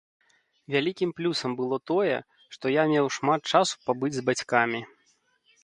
Вялікім плюсам было тое, што я меў шмат часу пабыць з бацькамі.